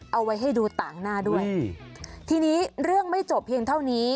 เอาไว้ให้ดูต่างหน้าด้วยทีนี้เรื่องไม่จบเพียงเท่านี้